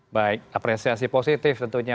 baik apresiasi positif tentunya